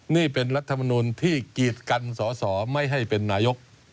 นี่เป็นรัฐมนุนที่กีดกันสอสอไม่ให้เป็นนายก